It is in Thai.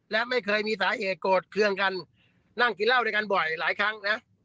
และไม่เคยมีสาเหตุโกรธเครื่องกันนั่งกินเหล้าด้วยกันบ่อยหลายครั้งนะ